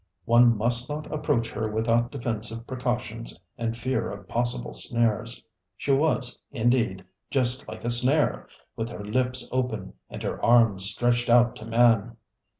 One must not approach her without defensive precautions and fear of possible snares. She was, indeed, just like a snare, with her lips open and her arms stretched out to man.